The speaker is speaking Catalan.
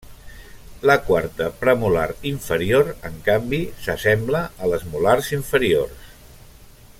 La quarta premolar inferior, en canvi, s'assembla a les molars inferiors.